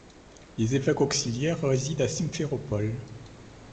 Les évêques auxiliaires résident à Simferopol.